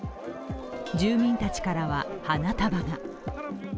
住民たちからは花束が。